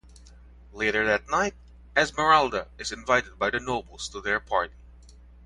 Later that night, Esmeralda is invited by the nobles to their party.